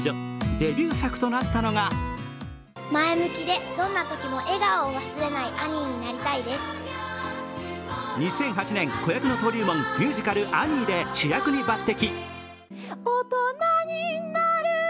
デビュー作となったのが２００８年、子役の登竜門ミュージカル「アニー」で主役に抜てき。